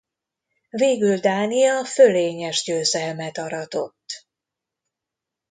Végül Dánia fölényes győzelmet aratott.